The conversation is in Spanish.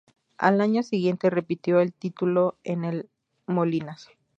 Al año siguiente repitió el título en el Molinas.